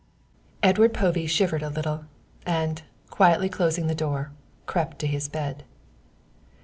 Edward Povey shivered a little, and, quietly closing the door, crept to his bed.